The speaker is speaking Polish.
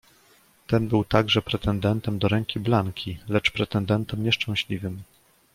"Ten był także pretendentem do ręki Blanki, lecz pretendentem nieszczęśliwym."